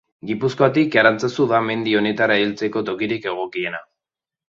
Gipuzkoatik, Arantzazu da mendi honetara heltzeko tokirik egokiena.